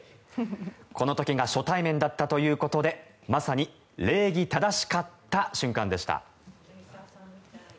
この時が初対面だったということでまさに礼儀正シカった瞬間でした。